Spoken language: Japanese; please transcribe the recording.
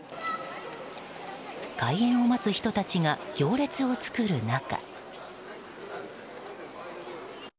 開園を待つ人たちが行列を作る中。